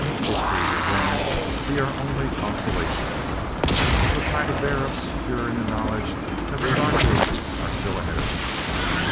History will then be our only consolation. We shall try to bear up secure in the knowledge that the dark ages are still ahead of him.